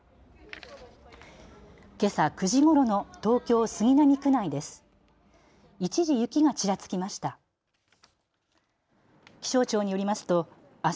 けさ９時ごろの東京杉並区内です。